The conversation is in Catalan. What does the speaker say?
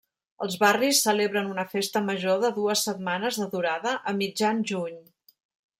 Els barris celebren una festa major de dues setmanes de durada a mitjan juny.